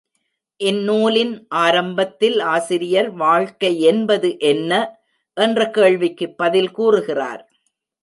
இந் நூலின் ஆரம்பத்தில் ஆசிரியர் வாழ்க்கை என்பது என்ன? என்ற கேள்விக்குப் பதில் கூறுகிறார்.